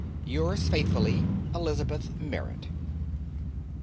"Yours faithfully, Elizabeth Merrit.